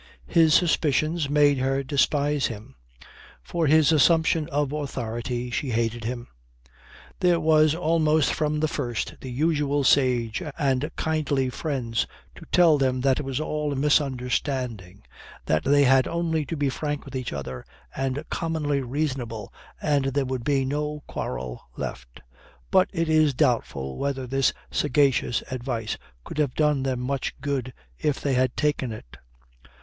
His suspicions made her despise him. For his assumption of authority she hated him. There were almost from the first the usual sage and kindly friends to tell them that it was all a misunderstanding, that they had only to be frank with each other and commonly reasonable and there would be no quarrel left. But it is doubtful whether this sagacious advice could have done them much good if they had taken it.